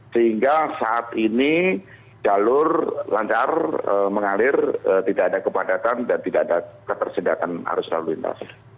sehingga saat ini jalur lancar mengalir tidak ada kepadatan dan tidak ada ketersedatan arus lalu lintas